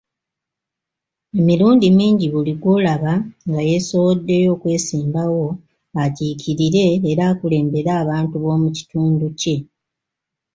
Emirundi mingi buli gwolaba nga yeesowoddeyo okwesimbawo akiikirire era akulembere abantu b'omukitundu kye.